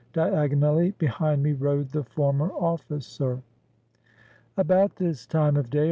Diagonally behind me rode the former officer. About this time of day.